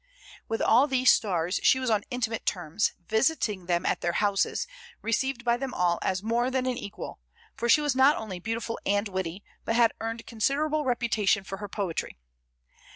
With all these stars she was on intimate terms, visiting them at their houses, received by them all as more than an equal, for she was not only beautiful and witty, but had earned considerable reputation for her poetry.